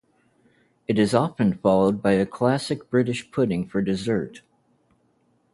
It is often followed by a classic British pudding for dessert.